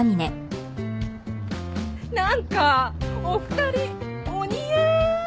何かお二人お似合い！